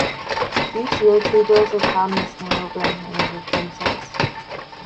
Each year, two girls are crowned Miss Hanover and Hanover Princess.